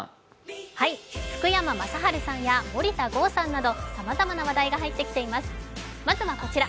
福山雅治さんや森田剛さんなどさまざまな話題が入ってきています、まずはこちら。